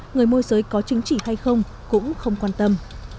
người môi giới có chứng chỉ hay không cũng không quan tâm